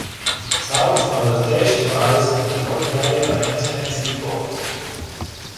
South of the station lies the Mortdale Maintenance Depot.